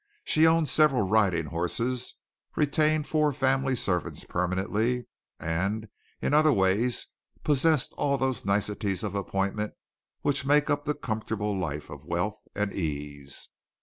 She owned several riding horses, retained four family servants permanently and in other ways possessed all those niceties of appointment which make up the comfortable life of wealth and ease.